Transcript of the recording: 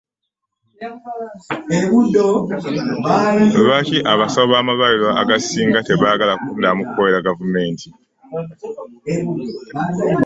Lwaki abasawo b'amalwaliro agasinga tebagala kudamu kukolera gavumenti?